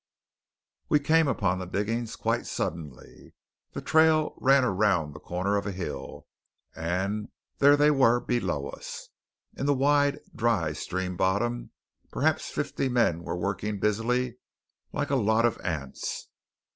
We came upon the diggings quite suddenly. The trail ran around the corner of a hill; and there they were below us! In the wide, dry stream bottom perhaps fifty men were working busily, like a lot of ants.